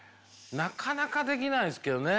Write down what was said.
なかなかできないっすけどね。